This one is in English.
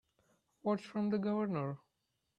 What's from the Governor?